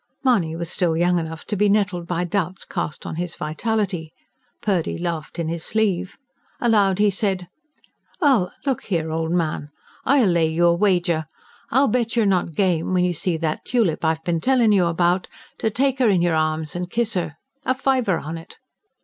Mahony was still young enough to be nettled by doubts cast on his vitality. Purdy laughed in his sleeve. Aloud he said: "Well, look here, old man, I'll lay you a wager. I bet you you're not game, when you see that tulip I've been tellin' you about, to take her in your arms and kiss her. A fiver on it!"